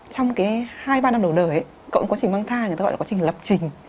trong hai ba năm đầu đời ấy cộng quá trình mang thai người ta gọi là quá trình lập trình